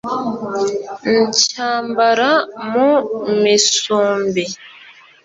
ncyambara mu misumbi